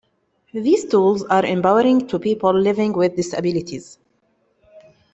These tools are empowering to people living with disabilities.